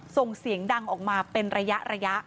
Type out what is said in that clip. ส่งเสียงดังออกมาเป็นระยะ